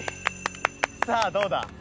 さあどうだ？